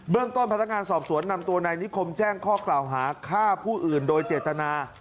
เรื่องต้นพนักงานสอบสวนนำตัวนายนิคมแจ้งข้อกล่าวหาฆ่าผู้อื่นโดยเจตนา